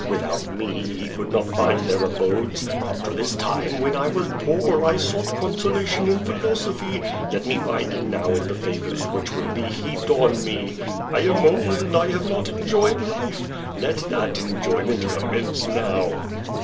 Without me ye could not find their abodes. Up to this time, when I was poor, I sought consola tion in philosophy. Let me find it now in the favors which will be heaped on me. I am old, and I have not enjoyed life. Let that enjoyment commence now."